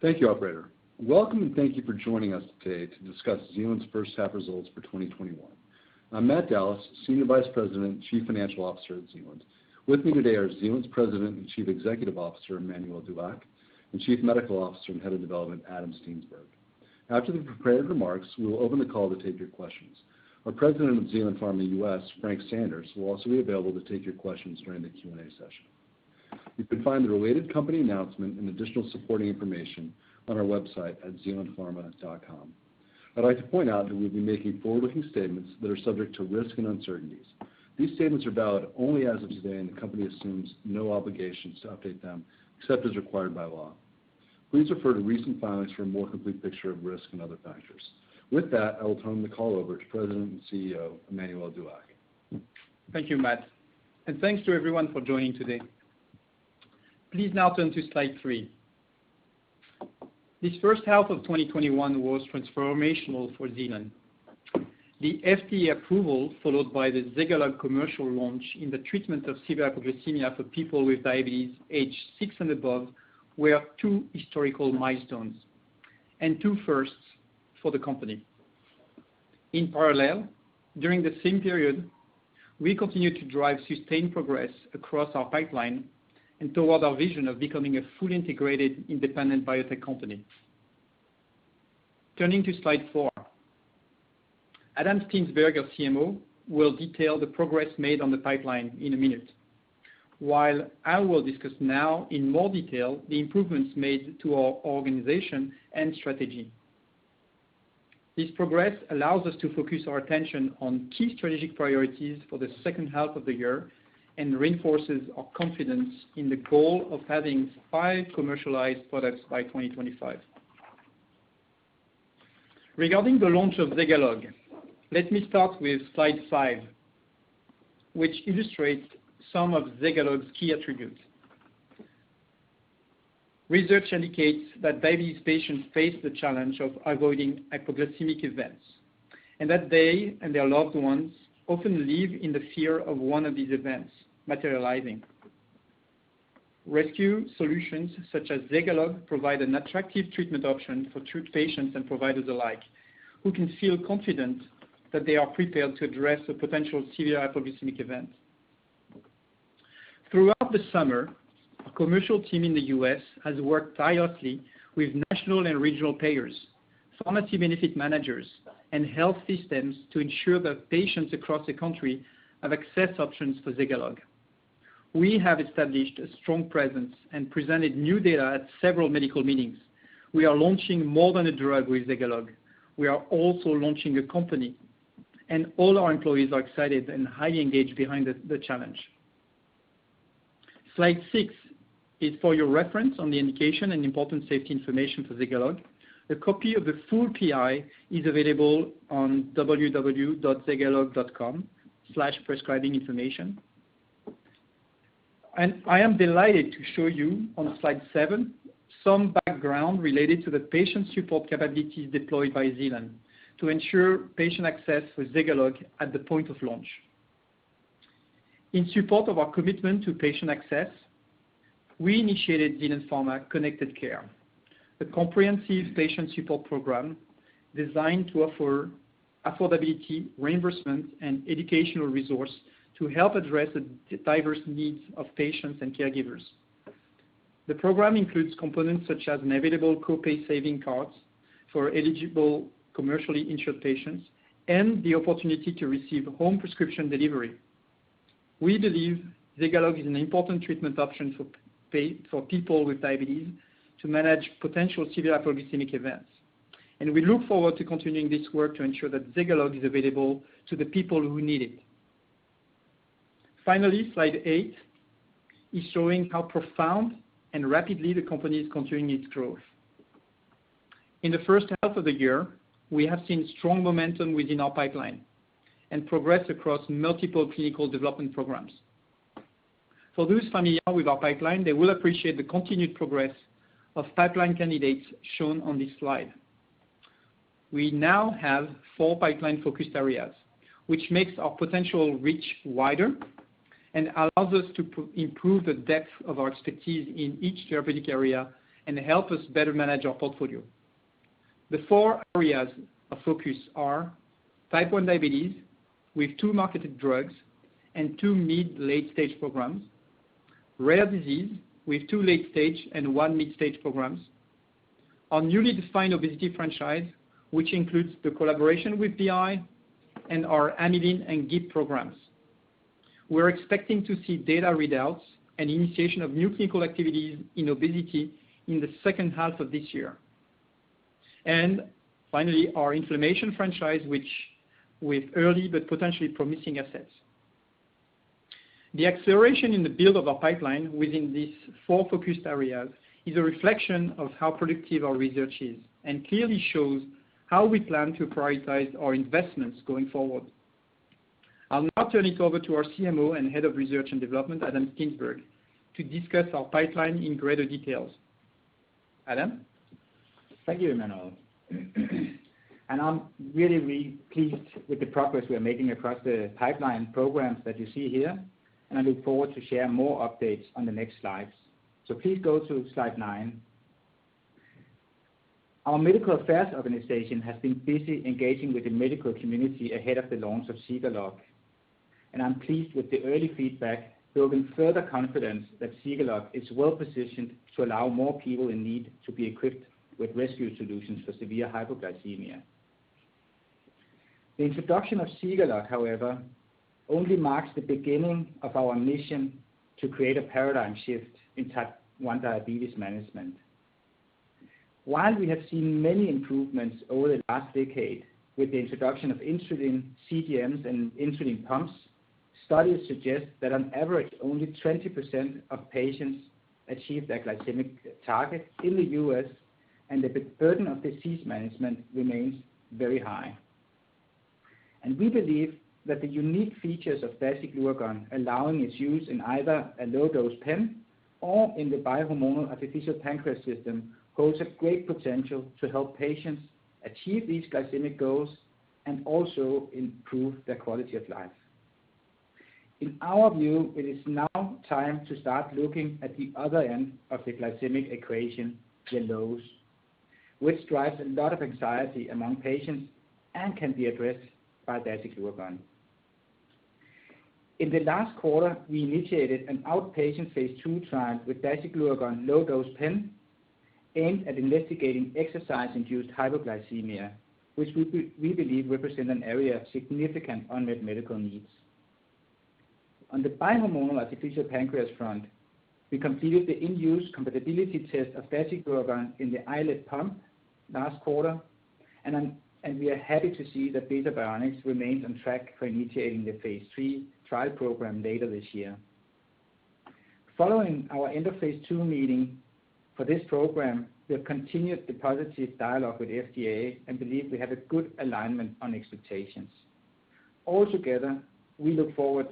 Thank you, operator. Welcome, and thank you for joining us today to discuss Zealand's first half results for 2021. I'm Matt Dallas, Senior Vice President and Chief Financial Officer at Zealand. With me today are Zealand's President and Chief Executive Officer, Emmanuel Dulac, and Chief Medical Officer and Head of Development, Adam Steensberg. After the prepared remarks, we will open the call to take your questions. Our President of Zealand Pharma U.S., Frank Sanders, will also be available to take your questions during the Q&A session. You can find the related company announcement and additional supporting information on our website at zealandpharma.com. I'd like to point out that we'll be making forward-looking statements that are subject to risk and uncertainties. These statements are valid only as of today, and the company assumes no obligations to update them except as required by law. Please refer to recent filings for a more complete picture of risk and other factors. With that, I will turn the call over to President and CEO, Emmanuel Dulac. Thank you, Matt. Thanks to everyone for joining today. Please now turn to slide three. This first half of 2021 was transformational for Zealand. The FDA approval, followed by the ZEGALOGUE commercial launch in the treatment of severe hypoglycemia for people with diabetes aged six and above, were two historical milestones, and two firsts for the company. In parallel, during the same period, we continued to drive sustained progress across our pipeline and toward our vision of becoming a fully integrated, independent biotech company. Turning to slide four, Adam Steensberg, our CMO, will detail the progress made on the pipeline in a minute. I will discuss now in more detail the improvements made to our organization and strategy. This progress allows us to focus our attention on key strategic priorities for the second half of the year and reinforces our confidence in the goal of having five commercialized products by 2025. Regarding the launch of ZEGALOGUE, let me start with slide five, which illustrates some of ZEGALOGUE's key attributes. Research indicates that diabetes patients face the challenge of avoiding hypoglycemic events, and that they and their loved ones often live in the fear of one of these events materializing. Rescue solutions such as ZEGALOGUE provide an attractive treatment option for treat patients and providers alike, who can feel confident that they are prepared to address a potential severe hypoglycemic event. Throughout the summer, our commercial team in the U.S. has worked tirelessly with national and regional payers, pharmacy benefit managers, and health systems to ensure that patients across the country have access options for ZEGALOGUE. We have established a strong presence and presented new data at several medical meetings. We are launching more than a drug with ZEGALOGUE. We are also launching a company, and all our employees are excited and highly engaged behind the challenge. Slide six is for your reference on the indication and important safety information for ZEGALOGUE. A copy of the full PI is available on www.zegalogue.com/prescribinginformation. I am delighted to show you, on slide seven, some background related to the patient support capabilities deployed by Zealand to ensure patient access with ZEGALOGUE at the point of launch. In support of our commitment to patient access, we initiated Zealand Pharma ConnectedCare, a comprehensive patient support program designed to offer affordability, reimbursement, and educational resource to help address the diverse needs of patients and caregivers. The program includes components such as innovative co-pay savings cards for eligible commercially insured patients and the opportunity to receive home prescription delivery. We believe ZEGALOGUE is an important treatment option for people with diabetes to manage potential severe hypoglycemic events, and we look forward to continuing this work to ensure that ZEGALOGUE is available to the people who need it. Slide eight is showing how profound and rapidly the company is continuing its growth. In the first half of the year, we have seen strong momentum within our pipeline and progress across multiple clinical development programs. For those familiar with our pipeline, they will appreciate the continued progress of pipeline candidates shown on this slide. We now have four pipeline-focused areas, which makes our potential reach wider and allows us to improve the depth of our expertise in each therapeutic area and help us better manage our portfolio. The four areas of focus are type 1 diabetes, with two marketed drugs and two mid-late stage programs, rare disease, with two late stage and one mid-stage programs, our newly defined obesity franchise, which includes the collaboration with BI and our amylin and GIP programs. We're expecting to see data readouts and initiation of new clinical activities in obesity in the second half of this year. Finally, our inflammation franchise, with early but potentially promising assets. The acceleration in the build of our pipeline within these four focused areas is a reflection of how productive our research is and clearly shows how we plan to prioritize our investments going forward. I'll now turn it over to our CMO and Head of Research and Development, Adam Steensberg, to discuss our pipeline in greater details. Adam? Thank you, Emmanuel. I'm really pleased with the progress we are making across the pipeline programs that you see here, and I look forward to share more updates on the next slides. Please go to slide nine. Our medical affairs organization has been busy engaging with the medical community ahead of the launch of ZEGALOGUE, and I'm pleased with the early feedback, building further confidence that ZEGALOGUE is well-positioned to allow more people in need to be equipped with rescue solutions for severe hypoglycemia. The introduction of ZEGALOGUE, however, only marks the beginning of our mission to create a paradigm shift in type 1 diabetes management. While we have seen many improvements over the last decade with the introduction of insulin CGMs and insulin pumps, studies suggest that on average, only 20% of patients achieve their glycemic target in the U.S. The burden of disease management remains very high. We believe that the unique features of dasiglucagon allowing its use in either a low-dose pen or in the bi-hormonal artificial pancreas system, holds a great potential to help patients achieve these glycemic goals, and also improve their quality of life. In our view, it is now time to start looking at the other end of the glycemic equation, the lows, which drives a lot of anxiety among patients and can be addressed by dasiglucagon. In the last quarter, we initiated an outpatient phase II trial with dasiglucagon low-dose pen aimed at investigating exercise-induced hypoglycemia, which we believe represent an area of significant unmet medical needs. On the bi-hormonal artificial pancreas front, we completed the in-use compatibility test of dasiglucagon in the iLet pump last quarter. We are happy to see that Beta Bionics remains on track for initiating the phase III trial program later this year. Following our end of phase II meeting for this program, we have continued the positive dialogue with FDA and believe we have a good alignment on expectations. All together, we look forward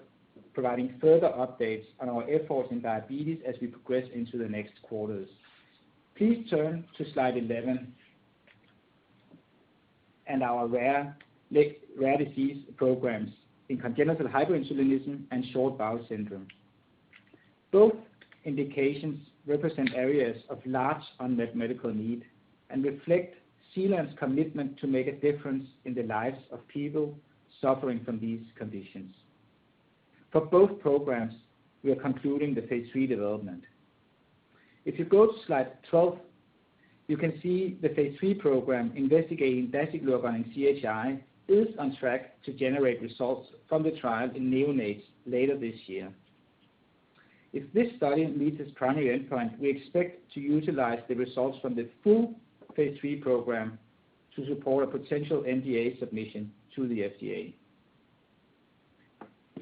to providing further updates on our efforts in diabetes as we progress into the next quarters. Please turn to slide 11 and our rare disease programs in congenital hyperinsulinism and short bowel syndrome. Both indications represent areas of large unmet medical need and reflect Zealand's commitment to make a difference in the lives of people suffering from these conditions. For both programs, we are concluding the phase III development. If you go to slide 12, you can see the phase III program investigating dasiglucagon in CHI is on track to generate results from the trial in neonates later this year. If this study meets its primary endpoint, we expect to utilize the results from the full phase III program to support a potential NDA submission to the FDA.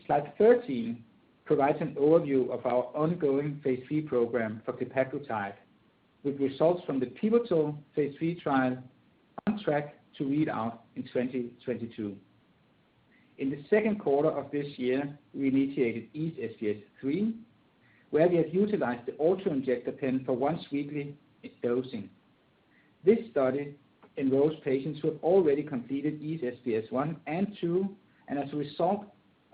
Slide 13 provides an overview of our ongoing phase III program for glepaglutide, with results from the pivotal phase III trial on track to read out in 2022. In the second quarter of this year, we initiated EASE-SBS 3, where we have utilized the auto-injector pen for once-weekly dosing. This study enrolls patients who have already completed EASE-SBS 1 and 2. As a result,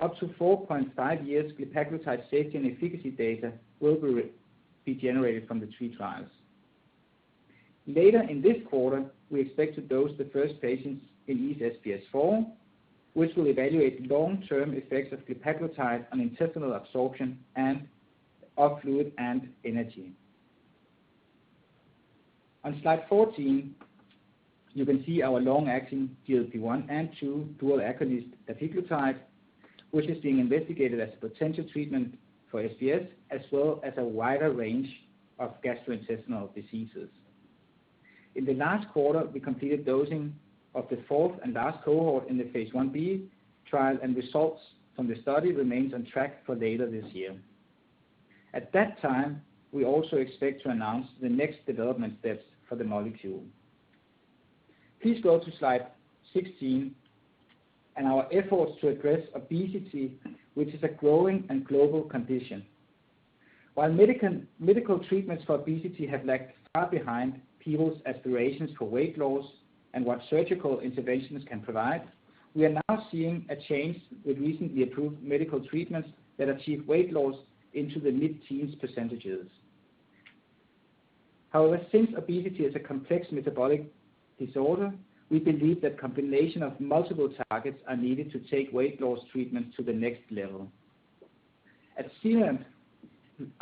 up to 4.5 years glepaglutide safety and efficacy data will be generated from the three trials. Later in this quarter, we expect to dose the first patients in EASE-SBS 4, which will evaluate long-term effects of glepaglutide on intestinal absorption and of fluid and energy. On slide 14, you can see our long-acting GLP-1 and 2 dual agonist, dapiglutide, which is being investigated as a potential treatment for SBS, as well as a wider range of gastrointestinal diseases. In the last quarter, we completed dosing of the fourth and last cohort in the phase I-B trial. Results from the study remains on track for later this year. At that time, we also expect to announce the next development steps for the molecule. Please go to slide 16 and our efforts to address obesity, which is a growing and global condition. While medical treatments for obesity have lagged far behind people's aspirations for weight loss and what surgical interventions can provide, we are now seeing a change with recently approved medical treatments that achieve weight loss into the mid-teens percentages. However, since obesity is a complex metabolic disorder, we believe that combination of multiple targets are needed to take weight loss treatment to the next level. At Zealand,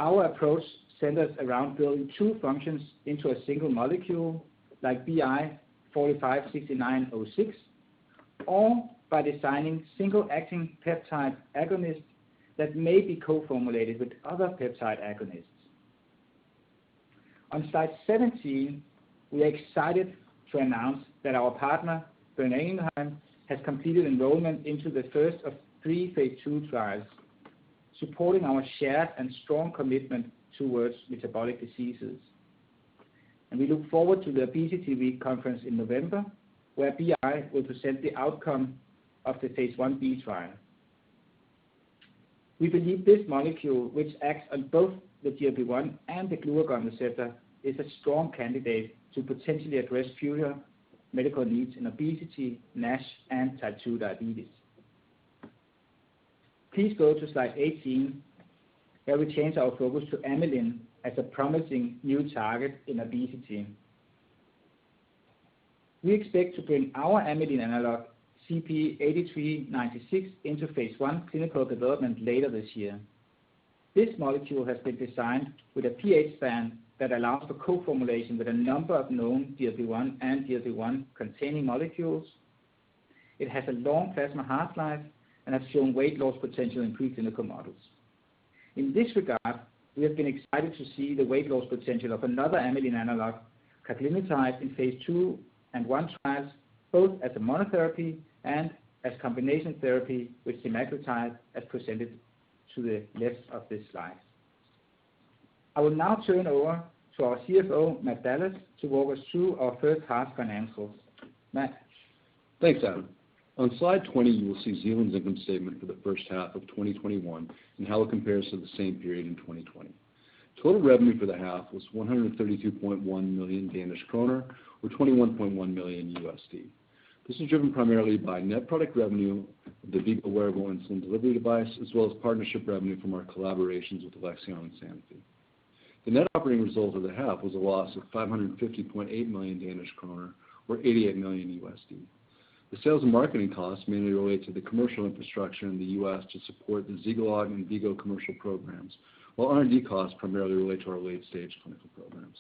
our approach centers around building two functions into a single molecule like BI 456906, or by designing single-acting peptide agonists that may be co-formulated with other peptide agonists. On slide 17, we are excited to announce that our partner, Boehringer Ingelheim, has completed enrollment into the first of three phase II trials, supporting our shared and strong commitment towards metabolic diseases. We look forward to the ObesityWeek Conference in November, where BI will present the outcome of the phase I-B trial. We believe this molecule, which acts on both the GLP-1 and the glucagon receptor, is a strong candidate to potentially address future medical needs in obesity, NASH, and type 2 diabetes. Please go to slide 18, where we change our focus to amylin as a promising new target in obesity. We expect to bring our amylin analog, ZP8396, into phase I clinical development later this year. This molecule has been designed with a pH span that allows for co-formulation with a number of known GLP-1 and GLP-1 containing molecules. It has a long plasma half-life and has shown weight loss potential in pre-clinical models. In this regard, we have been excited to see the weight loss potential of another amylin analogue, cagrilintide, in phase II and I trials, both as a monotherapy and as combination therapy with semaglutide, as presented to the left of this slide. I will now turn over to our CFO, Matt Dallas, to walk us through our first half financials. Matt? Thanks, Adam. On slide 20, you will see Zealand's income statement for the first half of 2021 and how it compares to the same period in 2020. Total revenue for the half was 132.1 million Danish kroner, or $21.1 million. This is driven primarily by net product revenue, the V-Go wearable insulin delivery device, as well as partnership revenue from our collaborations with Alexion and Sanofi. The net operating result of the half was a loss of 550.8 million Danish kroner, or $88 million. The sales and marketing costs mainly relate to the commercial infrastructure in the U.S. to support the ZEGALOGUE and V-Go commercial programs, while R&D costs primarily relate to our late-stage clinical programs.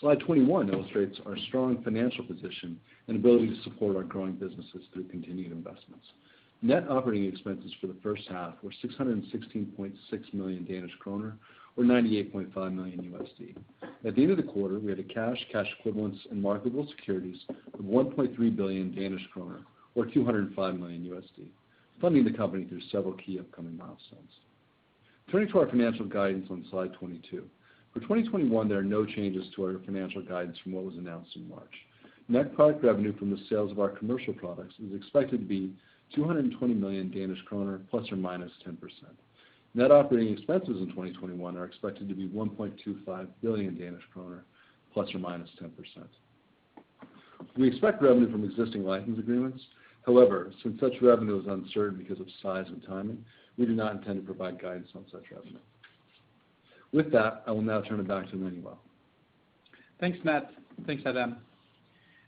Slide 21 illustrates our strong financial position and ability to support our growing businesses through continued investments. Net operating expenses for the first half were 616.6 million Danish kroner, or $98.5 million. At the end of the quarter, we had a cash equivalents and marketable securities of 1.3 billion Danish kroner, or $205 million, funding the company through several key upcoming milestones. Turning to our financial guidance on slide 22. For 2021, there are no changes to our financial guidance from what was announced in March. Net product revenue from the sales of our commercial products is expected to be 220 million Danish kroner ±10%. Net operating expenses in 2021 are expected to be 1.25 billion Danish kroner ±10%. We expect revenue from existing license agreements. However, since such revenue is uncertain because of size and timing, we do not intend to provide guidance on such revenue. With that, I will now turn it back to Emmanuel. Thanks, Matt. Thanks, Adam.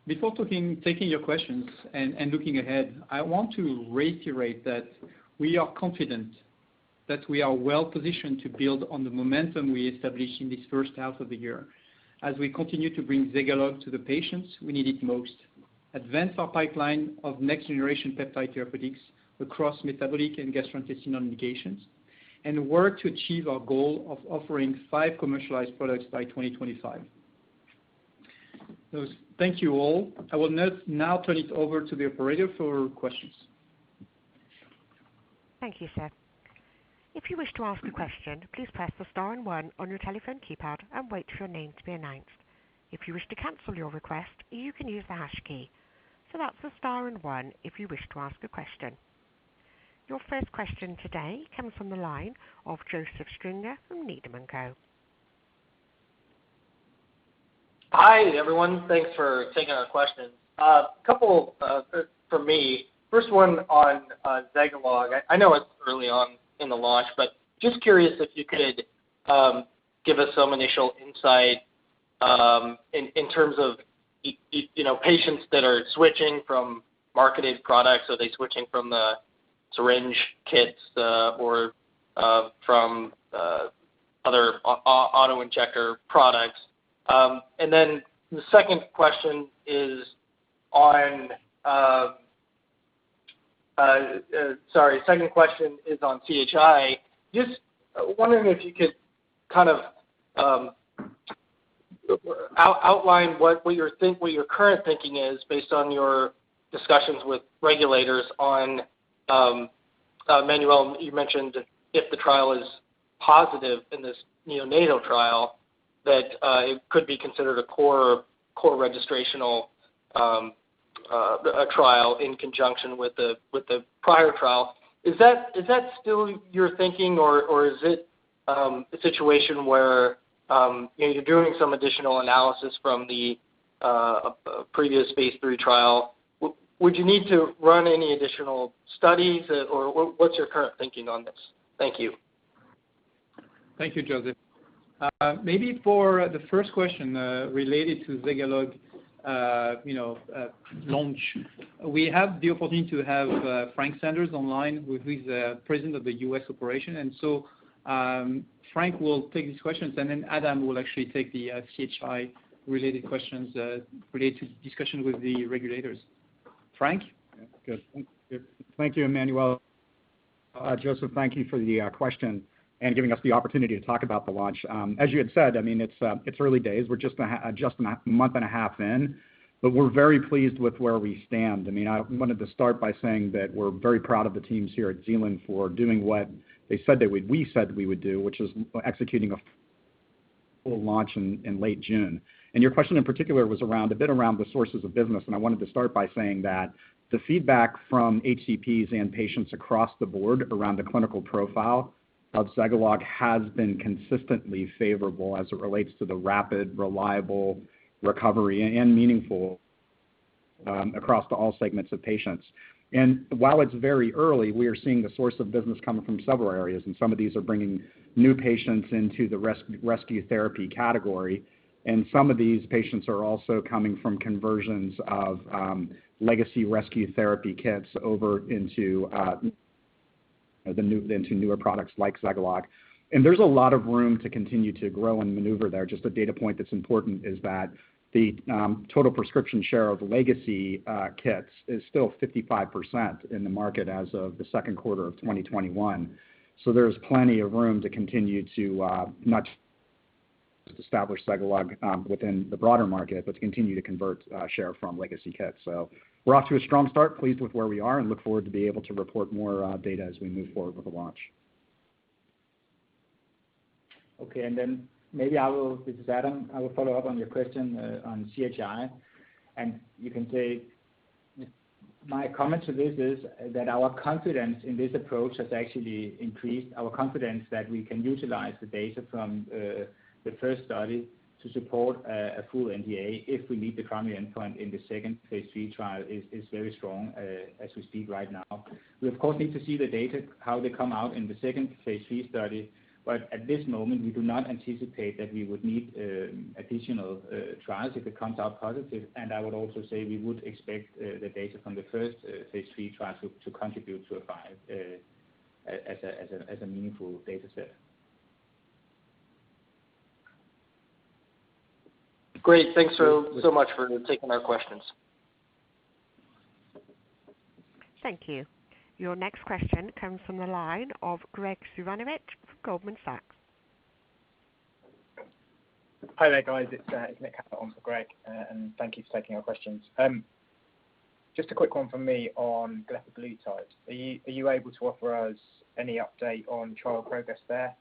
Before taking your questions and looking ahead, I want to reiterate that we are confident that we are well positioned to build on the momentum we established in this first half of the year. As we continue to bring ZEGALOGUE to the patients who need it most, advance our pipeline of next generation peptide therapeutics across metabolic and gastrointestinal indications, and work to achieve our goal of offering five commercialized products by 2025. Thank you, all. I will now turn it over to the operator for questions. Thank you, sir. Your first question today comes from the line of Joseph Stringer from Needham & Co. Hi, everyone. Thanks for taking our questions. A couple for me. First one on ZEGALOGUE. I know it's early on in the launch, but just curious if you could give us some initial insight in terms of patients that are switching from marketing products. Are they switching from the syringe kits or from other auto-injector products? The second question is on CHI. Just wondering if you could outline what your current thinking is based on your discussions with regulators on, Emmanuel, you mentioned if the trial is positive in this neonatal trial, that it could be considered a core registrational trial in conjunction with the prior trial. Is that still your thinking, or is it a situation where you're doing some additional analysis from the previous phase III trial? Would you need to run any additional studies? What's your current thinking on this? Thank you. Thank you, Joseph. Maybe for the first question, related to ZEGALOGUE launch. We have the opportunity to have Frank Sanders online, who is the President of the U.S. operation. Frank will take these questions, then Adam will actually take the CHI related questions related to discussion with the regulators. Frank? Yeah. Good. Thank you, Emmanuel. Joseph, thank you for the question and giving us the opportunity to talk about the launch. As you had said, it's early days. We're just a month and a half in. We're very pleased with where we stand. I wanted to start by saying that we're very proud of the teams here at Zealand for doing what they said they would, we said we would do, which is executing a full launch in late June. Your question in particular was a bit around the sources of business, and I wanted to start by saying that the feedback from HCPs and patients across the board around the clinical profile of ZEGALOGUE has been consistently favorable as it relates to the rapid, reliable recovery, and meaningful across to all segments of patients. While it's very early, we are seeing the source of business coming from several areas, and some of these are bringing new patients into the rescue therapy category. Some of these patients are also coming from conversions of legacy rescue therapy kits over into newer products like ZEGALOGUE. There's a lot of room to continue to grow and maneuver there. Just a data point that's important is that the total prescription share of legacy kits is still 55% in the market as of the second quarter of 2021. There's plenty of room to continue to not just establish ZEGALOGUE within the broader market, but to continue to convert share from legacy kits. We're off to a strong start, pleased with where we are, and look forward to be able to report more data as we move forward with the launch. This is Adam, I will follow up on your question on CHI. My comment to this is that our confidence in this approach has actually increased our confidence that we can utilize the data from the first study to support a full NDA if we meet the primary endpoint in the second phase III trial. It is very strong as we speak right now. We, of course, need to see the data, how they come out in the second phase III study. At this moment, we do not anticipate that we would need additional trials if it comes out positive. I would also say we would expect the data from the first phase III trial to contribute to a file as a meaningful data set. Great. Thanks so much for taking our questions. Thank you. Your next question comes from the line of Graig Suvannavejh from Goldman Sachs. Hi there, guys. It's Nick on for Graig. Thank you for taking our questions. Just a quick one from me on glepaglutide. Are you able to offer us any update on trial progress there?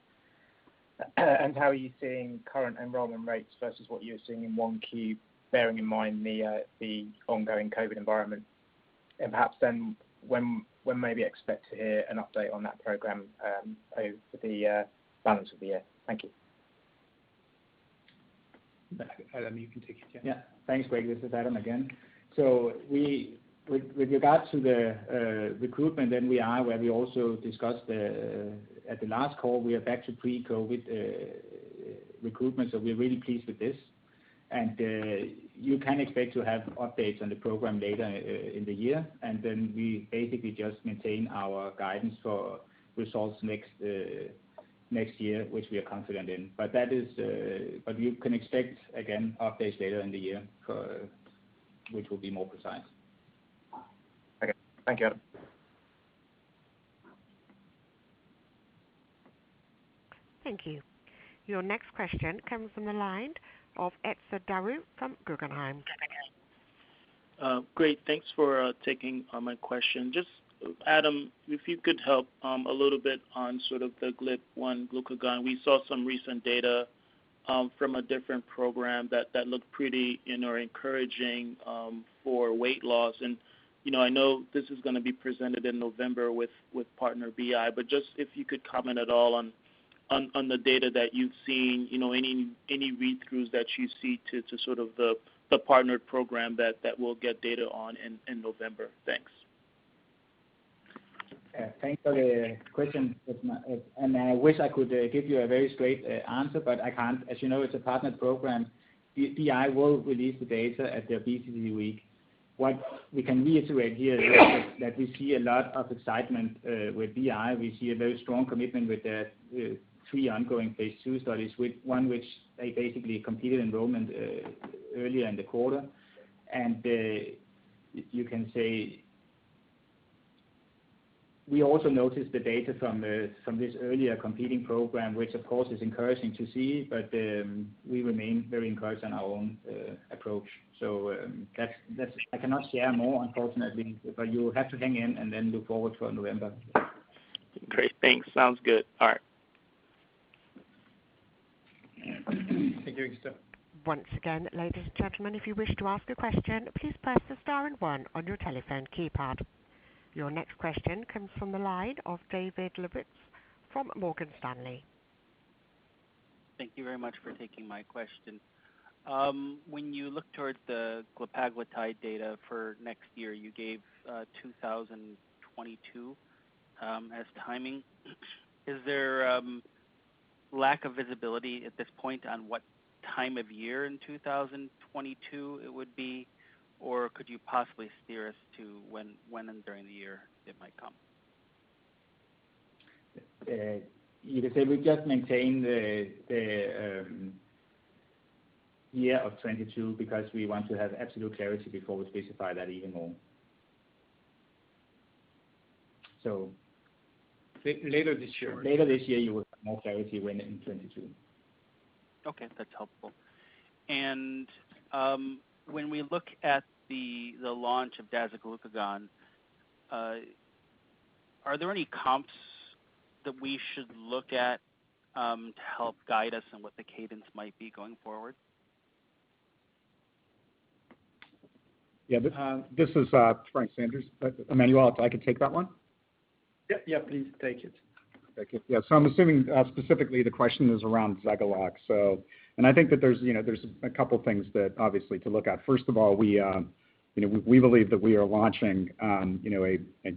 How are you seeing current enrollment rates versus what you were seeing in 1Q, bearing in mind the ongoing COVID environment? Perhaps then, when may we expect to hear an update on that program over the balance of the year? Thank you. Adam, you can take it. Yeah. Thanks, Graig. This is Adam again. With regard to the recruitment in the EASE trial where we also discussed at the last call, we are back to pre-COVID recruitment, so we are really pleased with this. You can expect to have updates on the program later in the year. We basically just maintain our guidance for results next year, which we are confident in. You can expect, again, updates later in the year, which will be more precise. Okay. Thank you. Thank you. Your next question comes from the line of Etzer Darout from Guggenheim. Great, thanks for taking my question. Just Adam, if you could help a little bit on sort of the GLP-1 glucagon. We saw some recent data from a different program that looked pretty encouraging for weight loss. I know this is going to be presented in November with partner BI, but just if you could comment at all on the data that you've seen, any read-throughs that you see to sort of the partnered program that we'll get data on in November. Thanks. Thanks for the question. I wish I could give you a very straight answer, but I can't. As you know, it's a partnered program. BI will release the data at their ObesityWeek. What we can reiterate here is that we see a lot of excitement with BI. We see a very strong commitment with the three ongoing phase II studies, one which they basically completed enrollment earlier in the quarter. You can say we also noticed the data from this earlier competing program, which of course is encouraging to see. We remain very encouraged on our own approach. I cannot share more, unfortunately. You will have to hang in and look forward for November. Great. Thanks. Sounds good. All right. Thank you, Etzer. Once again, ladies and gentlemen, if you wish to ask a question, please press the star and one on your telephone keypad. Your next question comes from the line of David Lebowitz from Morgan Stanley. Thank you very much for taking my question. When you look towards the glepaglutide data for next year, you gave 2022 as timing. Is there lack of visibility at this point on what time of year in 2022 it would be, or could you possibly steer us to when during the year it might come? You could say we just maintain the year of 2022 because we want to have absolute clarity before we specify that even more. Later this year. Later this year, you will have more clarity when in 2022. Okay, that's helpful. When we look at the launch of dasiglucagon. Are there any comps that we should look at to help guide us on what the cadence might be going forward? Yeah. This is Frank Sanders. Emmanuel, if I could take that one? Yeah. Please take it. Thank you. Yeah. I'm assuming specifically the question is around ZEGALOGUE. I think that there's a couple things that obviously to look at. First of all, we believe that we are launching a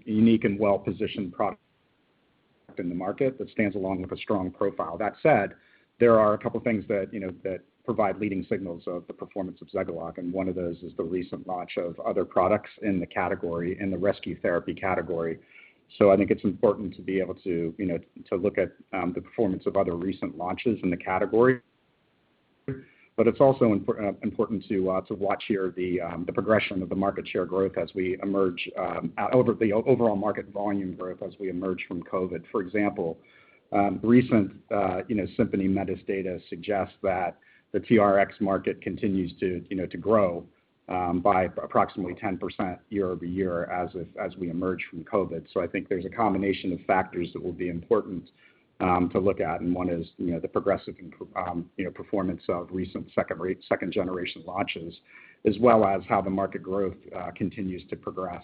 unique and well-positioned product in the market that stands along with a strong profile. That said, there are a couple things that provide leading signals of the performance of ZEGALOGUE, and one of those is the recent launch of other products in the category, in the rescue therapy category. I think it's important to be able to look at the performance of other recent launches in the category. It's also important to watch here the progression of the market share growth as we emerge, the overall market volume growth as we emerge from COVID. For example, recent Symphony Health data suggests that the TRx market continues to grow by approximately 10% year-over-year as we emerge from COVID. I think there's a combination of factors that will be important to look at, and one is the progressive performance of recent second-generation launches, as well as how the market growth continues to progress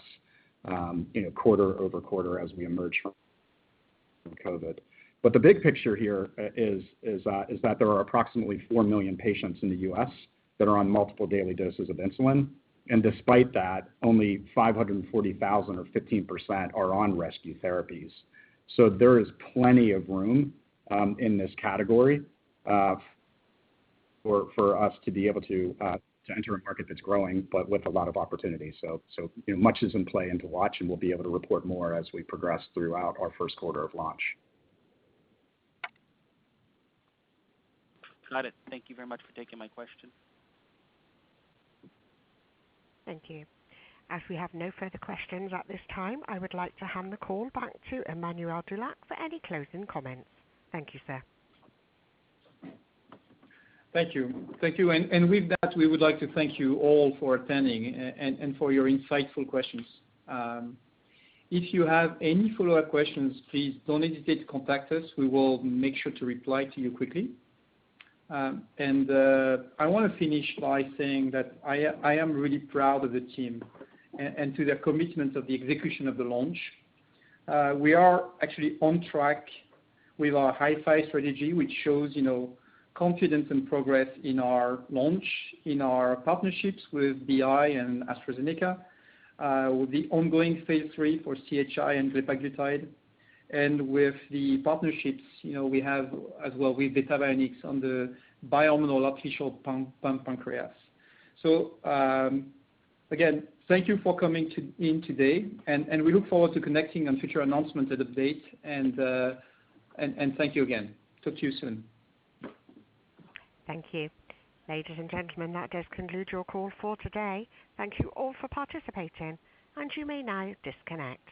quarter-over-quarter as we emerge from COVID. The big picture here is that there are approximately 4 million patients in the U.S. that are on multiple daily doses of insulin, and despite that, only 540,000 or 15% are on rescue therapies. There is plenty of room in this category for us to be able to enter a market that's growing, but with a lot of opportunities. Much is in play and to watch, and we'll be able to report more as we progress throughout our first quarter of launch. Got it. Thank you very much for taking my question. Thank you. As we have no further questions at this time, I would like to hand the call back to Emmanuel Dulac for any closing comments. Thank you, sir. Thank you. With that, we would like to thank you all for attending and for your insightful questions. If you have any follow-up questions, please don't hesitate to contact us. We will make sure to reply to you quickly. I want to finish by saying that I am really proud of the team and to their commitment of the execution of the launch. We are actually on track with our High-Five strategy, which shows confidence and progress in our launch, in our partnerships with BI and AstraZeneca, with the ongoing phase III for CHI and glepaglutide, and with the partnerships we have as well with Beta Bionics on the bi-hormonal artificial pancreas. Again, thank you for coming in today and we look forward to connecting on future announcements and updates. Thank you again. Talk to you soon. Thank you. Ladies and gentlemen, that does conclude your call for today. Thank you all for participating, and you may now disconnect.